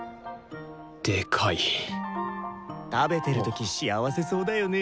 でかい食べてる時幸せそうだよね。